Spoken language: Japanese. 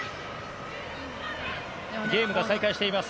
ゲームが再開しています。